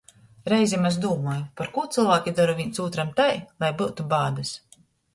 Reizem es dūmoju, parkū cylvāki dora vīns ūtram tai, lai byutu bādys.